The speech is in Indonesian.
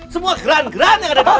semua geran geran yang ada di rumah